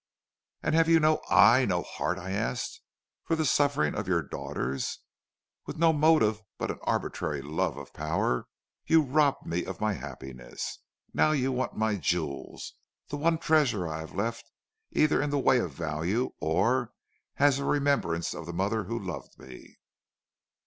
"'And have you no eye, no heart,' I asked, 'for the sufferings of your daughters? With no motive but an arbitrary love of power, you robbed me of my happiness. Now you want my jewels; the one treasure I have left either in the way of value, or as a remembrance of the mother who loved me.'